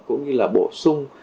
cũng như là bổ sung